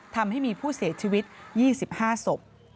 ทำให้มีผู้เสียชีวิต๒๕ศพ